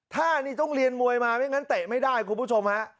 ถ้านี่ต้องเรียนมวยมาไม่งั้นเตะไม่ได้คุณผู้ชมฮะ